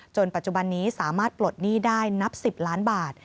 ปัจจุบันนี้สามารถปลดหนี้ได้นับ๑๐ล้านบาท